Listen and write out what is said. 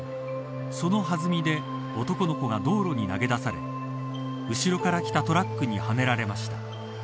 その弾みで男の子が道路に投げ出され後ろから来たトラックにはねられました。